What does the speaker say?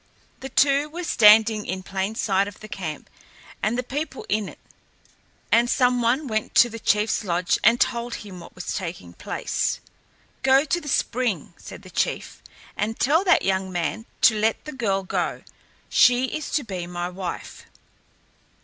The two were standing in plain sight of the camp and the people in it, and some one went to the chief's lodge and told him what was taking place. "Go to the spring," said the chief, "and tell that young man to let the girl go; she is to be my wife."